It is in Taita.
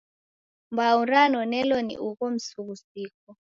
Mbau ranonelo ni ugho msughusiko.